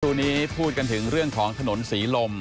ตรงนี้พูดกันถึงเรื่องของถนนศรีลม